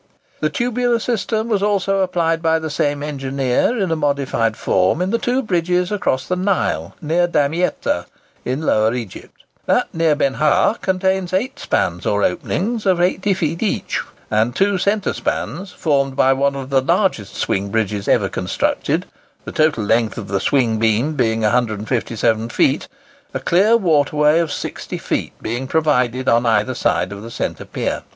The tubular system was also applied by the same engineer, in a modified form, in the two bridges across the Nile, near Damietta in Lower Egypt. That near Benha contains eight spans or openings of 80 feet each, and two centre spans, formed by one of the largest swing bridges ever constructed,—the total length of the swing beam being 157 feet,—a clear water way of 60 feet being provided on either side of the centre pier.